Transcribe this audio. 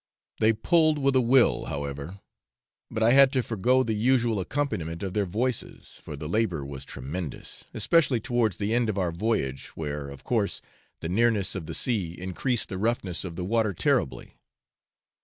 They pulled with a will, however, but I had to forego the usual accompaniment of their voices, for the labour was tremendous, especially towards the end of our voyage, where, of course, the nearness of the sea increased the roughness of the water terribly.